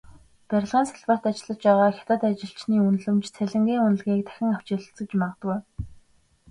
Барилгын салбарт ажиллаж байгаа хятад ажилчны үнэлэмж, цалингийн үнэлгээг дахин авч хэлэлцэж магадгүй.